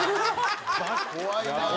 怖いなあ。